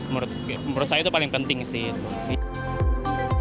menurut saya itu paling penting sih itu